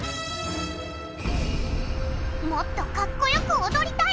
もっとかっこよく踊りたい！